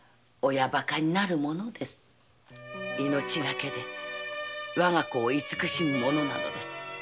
命がけでわが子を慈しむものなのです。